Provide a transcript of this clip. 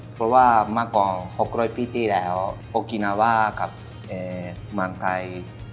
เพราะว่ามากกว่า๖๐๐ปีที่แล้วโอเคนาว่ากับอันดับหมานไทย